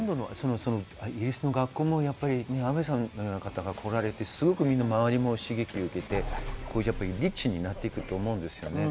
イギリスの学校も安部さんのような方が来られて、周りも刺激を受けてリッチになっていくと思います。